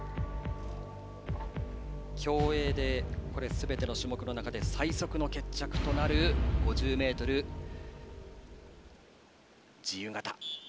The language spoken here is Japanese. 競泳ですべての種目の中で最速の決着となる５０ｍ自由形。